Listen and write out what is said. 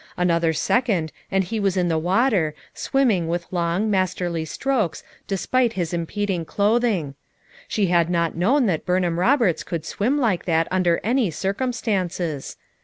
Another second and he was in the water, swimming with long, masterly strokes despite his impeding clothing; she had not known that Bnrnham Roberts could swim like that under any circumstances.